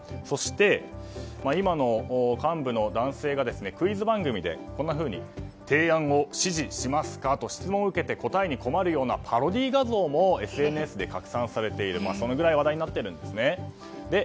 そして、今の幹部の男性がクイズ番組でこんなふうに提案を支持しますかと質問を受けて答えに困るようなパロディー画像もＳＮＳで拡散されているそのぐらい話題になっているんですね。